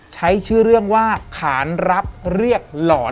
ใช้ชื่อเรื่องว่าขานรับเรียกหล่อน